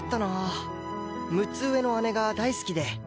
６つ上の姉が大好きで。